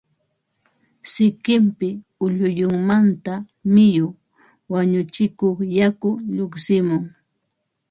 sikinpi ulluyunmanta miyu (wañuchikuq yaku) lluqsimun